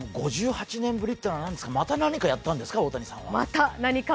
５８年ぶりっていうのは何ですか、また何かやったんですか？